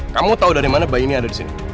kamu tahu dari mana bayi ini ada di sini